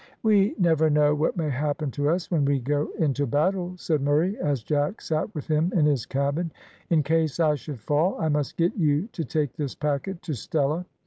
"We never know what may happen to us when we go into battle," said Murray, as Jack sat with him in his cabin. "In case I should fall, I must get you to take this packet to Stella.